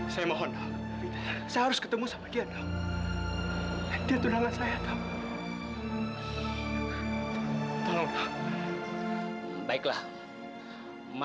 sampai jumpa di video selanjutnya